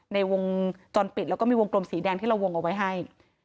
ในวงจรปิดแล้วก็มีวงกลมสีแดงที่เราวงเอาไว้ให้